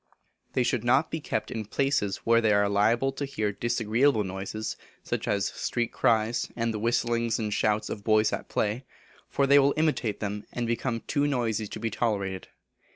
They should not be kept in places where they are liable to hear disagreeable noises, such as street cries, and the whistling and shouts of boys at play, for they will imitate them, and become too noisy to be tolerated.